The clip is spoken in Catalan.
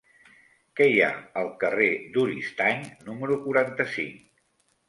Què hi ha al carrer d'Oristany número quaranta-cinc?